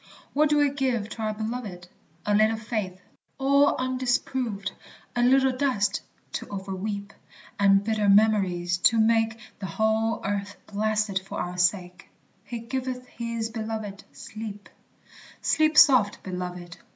What do we give to our beloved? A little faith, all undisproved, A little dust to overweep, And bitter memories, to make The whole earth blasted for our sake, "He giveth his belovèd sleep." "Sleep soft, beloved!"